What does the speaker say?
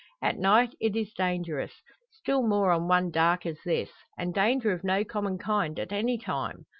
At night it is dangerous still more on one dark as this. And danger of no common kind at any time.